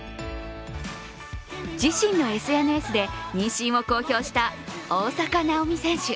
自身のＳＮＳで妊娠を公表した大坂なおみ選手。